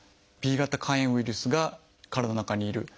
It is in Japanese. Ｂ型肝炎ウイルスが体の中にいる。